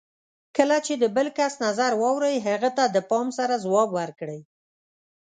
کله چې د بل کس نظر واورئ، هغه ته د پام سره ځواب ورکړئ.